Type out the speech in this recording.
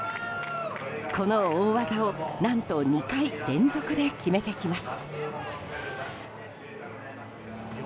この大技を何と２回連続で決めてきます。